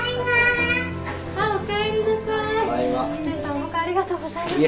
お迎えありがとうございます。